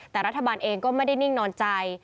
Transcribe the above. แต่รัฐบาลเองก็ไม่ได้นิ่งนอนใจ